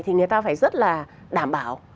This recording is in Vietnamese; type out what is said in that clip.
thì người ta phải rất là đảm bảo